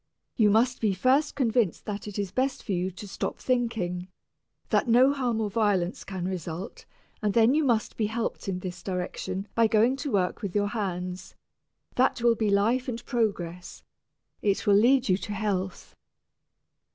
You must be first convinced that it is best for you to stop thinking, that no harm or violence can result, and then you must be helped in this direction by going to work with your hands that will be life and progress, it will lead you to health."